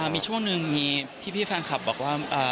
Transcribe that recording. มีช่วงหนึ่งมีพี่แฟนคลับบอกว่า